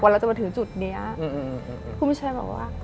ว่าเราจะมาถึงจุดนี้คุณผู้ชายบอกว่า